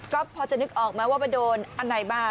ก็พอจะนึกออกไหมว่ามาโดนอันไหนมา